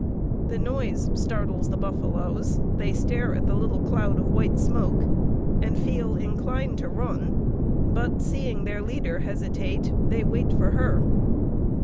The noise startles the buffaloes, they stare at the little cloud of white smoke and feel inclined to run, but seeing their leader hesitate they wait for her.